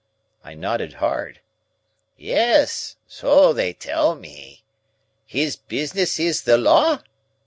I nodded hard. "Yes; so they tell me. His business is the Law?"